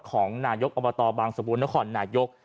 ของนายกอวตอบางสมบูรณ์และข่อนนายก